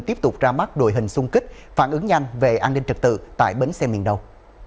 tiếp tục ra mắt đội hình xung kích phản ứng nhanh về an ninh trật tự tại bến xe miền đông